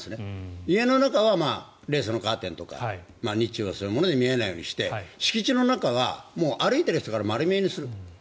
家の中はレースのカーテンとか日中はそういうもので見えないようにして、敷地の中は歩いている人から丸見えにする。